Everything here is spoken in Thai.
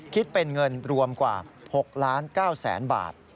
คิดเป็นเงินรวมกว่า๖ล้าน๙แสนบาท